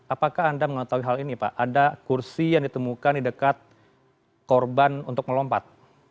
apakah anda mengetahui hal ini pak ada kursi yang ditemukan di dekat korban untuk melompat